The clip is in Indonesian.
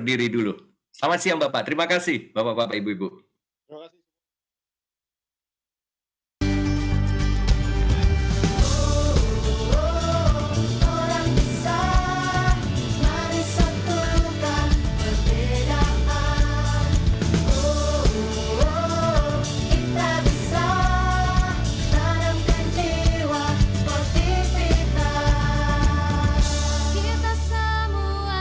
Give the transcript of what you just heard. selamat siang bapak bapak dan ibu ibu terima kasih seluruh penonton dan salam sehat salam tangguh